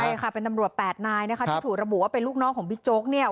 ใช่ค่ะเป็นตำรวจ๘นายที่ถูกระบุว่าเป็นลูกน้องของบิ๊กโจ๊ก